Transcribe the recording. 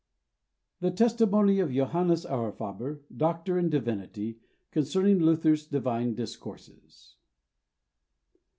THE TESTIMONY OF JO. AURIFABER, DOCTOR IN DIVINITY, CONCERNING LUTHER'S DIVINE DISCOURSES.